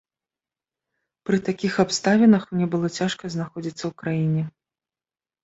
Пры такіх абставінах мне было цяжка знаходзіцца ў краіне.